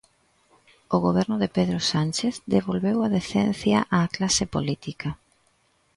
O goberno de Pedro Sánchez devolveu a decencia á clase política.